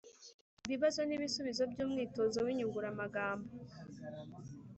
Ibibazo n’ibisubizo by’umwitozo w’inyunguramagambo